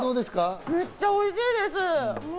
めっちゃおいしいです。